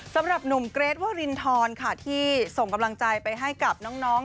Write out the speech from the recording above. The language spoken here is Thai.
สำหรับหนุ่มเกรทวรินทรค่ะที่ส่งกำลังใจไปให้กับน้อง